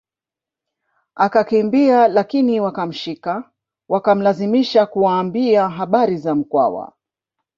Akakimbia lakini wakamshika wakamlazimisha kuwaambia habari za Mkwawa